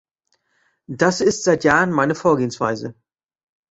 Das ist seit Jahren meine Vorgehensweise.